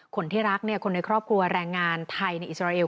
คนที่รักคนในครอบครัวแรงงานไทยในอิสราเอล